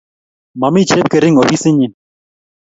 Mami Chepkering' opisit nyi.